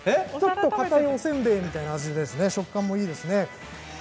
かたい、おせんべいみたいな味で食感がいいですね。